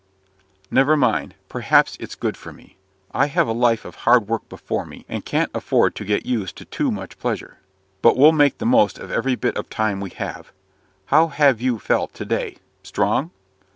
"Never mind perhaps it's good for me. I have a life of hard work before me, and can't afford to get used to too much pleasure. But we'll make the most of every bit of time we have. How have you felt to day? Strong?"